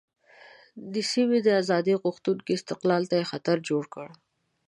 د سیمې د آزادۍ غوښتونکو استقلال ته یې خطر جوړ کړ.